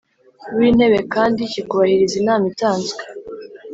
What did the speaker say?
W intebe kandi kikubahiriza inama itanzwe